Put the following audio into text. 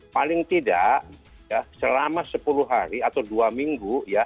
paling tidak selama sepuluh hari atau dua minggu ya